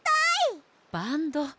バンド！